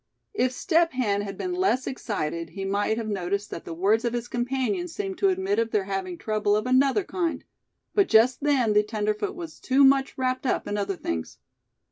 If Step Hen had been less excited he might have noticed that the words of his companion seemed to admit of their having trouble of another kind; but just then the tenderfoot was too much wrapped up in other things.